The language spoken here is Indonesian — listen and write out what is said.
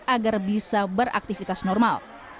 agar bisa beraktivitas normal